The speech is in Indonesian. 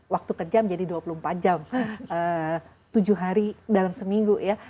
waktu kerja menjadi dua puluh empat jam tujuh hari dalam seminggu ya